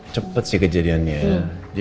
cepet sih kejadiannya ya